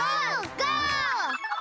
ゴー！